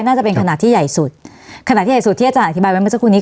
น่าจะเป็นขนาดที่ใหญ่สุดขนาดที่ใหญ่สุดที่อาจารย์อธิบายไว้เมื่อสักครู่นี้